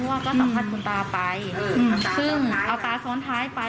ว่าก็สอบทัศน์ชุนตาไปเอ่อคือเอาตราซ้อนถ้ายไป